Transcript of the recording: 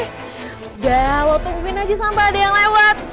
udah lo tungguin aja sama mbak ada yang lewat